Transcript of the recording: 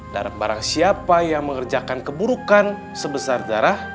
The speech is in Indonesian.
dan barang siapa yang mengerjakan keburukan sebesar darah